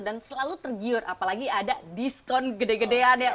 dan selalu tergiur apalagi ada diskon gede gedean ya